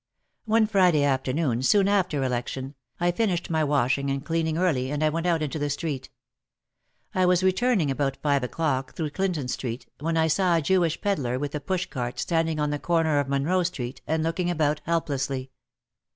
One Friday afternoon, soon after election, I finished my washing and cleaning early and I went out into the street. I was returning about five o'clock through Clinton Street when I saw a Jewish pedlar with a push cart standing on the corner of Monroe Street and look ing about helplessly.